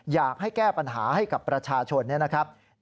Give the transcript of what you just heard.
อยากให้แก้ปัญหาให้กับประชาชนนะครับ